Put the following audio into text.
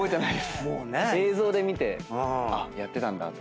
映像で見てあっやってたんだって。